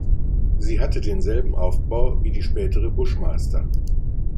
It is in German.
Sie hatte denselben Aufbau wie die spätere Bushmaster.